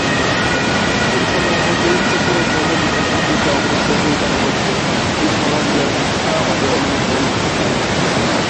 খুব সম্ভব উচ্চতর ক্রমবিকাশের দিকে অগ্রসর হইবার পথে এই সমাজ-ব্যবস্থা আমাদের অন্যতম সোপান।